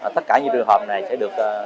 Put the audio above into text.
tất cả những trường hợp này sẽ được